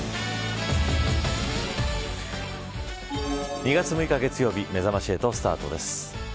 ２月６日、月曜日めざまし８スタートです。